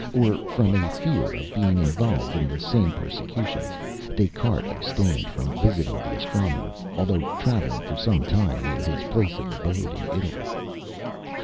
or from a fear of being involved in the same persecutions, Des Cartes abstained from visiting the astronomer, although travelling for some time near his place of abode in Italy.